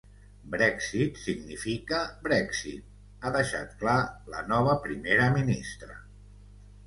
“Brexit significa Brexit”, ha deixat clar la nova primera ministra.